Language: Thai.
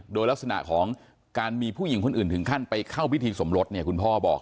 โดยลักษณะของการมีผู้หญิงคนอื่นถึงขั้นไปเข้าพิธีสมรสเนี่ยคุณพ่อบอก